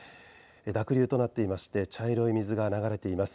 濁流となっていて茶色い水が流れています。